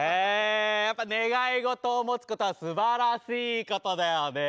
やっぱ願い事を持つことはすばらしいことだよね。